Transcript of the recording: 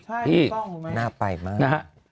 ใช่มีกล้องน่าไปมาก